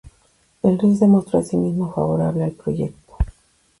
El rey se mostró asimismo favorable al proyecto.